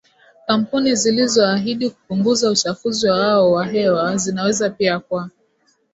kampuni zilizoahidi kupunguza uchafuzi wao wa hewa zinaweza pia kwa